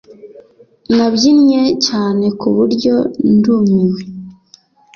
Nabyinnye cyane kuburyo ndumiwe